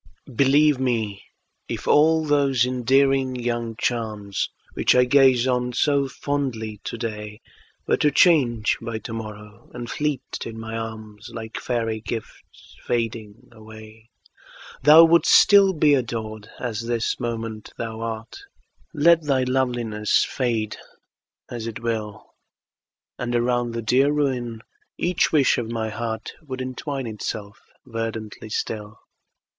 Believe me, if all those endearing young charms, Which I gaze on so fondly today, Were to change by to morrow, and fleet in my arms, Like fairy gifts fading away, Thou wouldst still be adored, as this moment thou art. Let thy loveliness fade as it will. And around the dear ruin each wish of my heart Would entwine itself verdantly still.